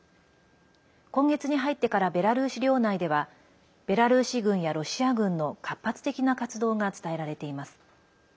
今月に入ってからベラルーシ領内ではベラルーシ軍やロシア軍の活発的な活動が伝えられています。